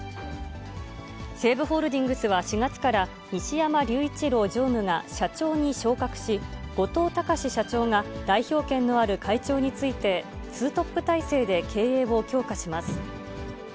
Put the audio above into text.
西武ホールディングスは４月から、西山隆一郎常務が社長に昇格し、後藤高志社長が代表権のある会長に就いて、２トップ体制で経営を強化します。